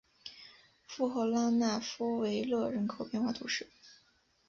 富后拉讷夫维勒人口变化图示